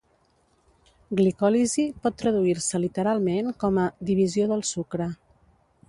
Glicòlisi pot traduir-se literalment com a "divisió del sucre".